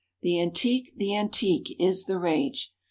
The antique, the antique, is the rage!